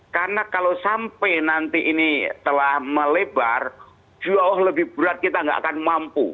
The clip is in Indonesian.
karena kalau sampai nanti ini telah melebar jauh lebih berat kita nggak akan mampu